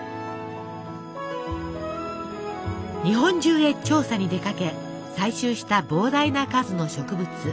日本中へ調査に出かけ採集した膨大な数の植物。